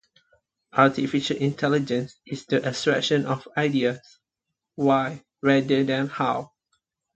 Artificial intelligence is the abstraction of ideas: why, rather than how.